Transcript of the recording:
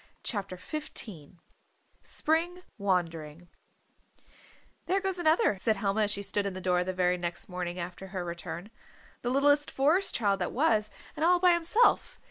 CHAPTER XV SPRING WANDERING "There goes another," said Helma as she stood in the door the very next morning after her return. "The littlest Forest Child that was, and all by himself.